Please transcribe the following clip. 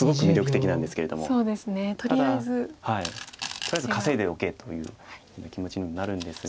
とりあえず稼いでおけという気持ちにもなるんですが。